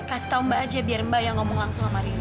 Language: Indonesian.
kasih tau mbak aja biar mbak yang ngomong langsung sama rini